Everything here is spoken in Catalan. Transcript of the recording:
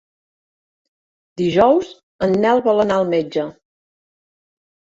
Dijous en Nel vol anar al metge.